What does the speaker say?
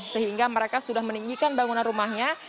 sehingga mereka sudah meninggikan bangunan rumahnya